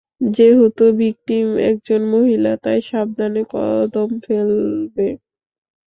যেহেতু ভিকটিম একজন মহিলা, তাই সাবধানে কদম ফেলবে।